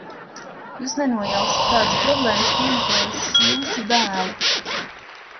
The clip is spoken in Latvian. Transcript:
Jūs nenojaušat, kādas problēmas piemeklējušas jūsu dēlu!